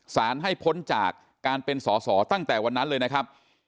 ให้พ้นจากการเป็นสอสอตั้งแต่วันนั้นเลยนะครับ